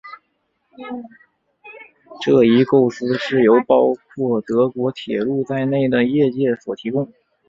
这一构思是由包括德国铁路在内的业界所提供。